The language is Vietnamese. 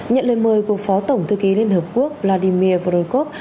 nhận lời mời của phó tổng thư ký liên hợp quốc vladimir fordokov